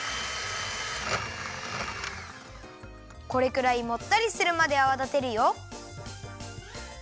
これくらいもったりするまであわだてるよ。